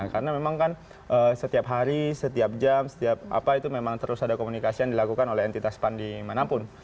karena memang kan setiap hari setiap jam setiap apa itu memang terus ada komunikasi yang dilakukan oleh entitas pandi manapun